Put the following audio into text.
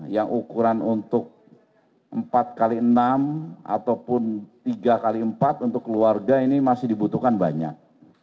yang ukuran untuk empat x enam ataupun tiga x empat untuk keluarga ini masih dibutuhkan banyak